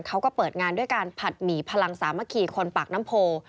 เขาก็เปิดงานด้วยการผัดหมี่พลังสามัคคีคนปากน้ำโพ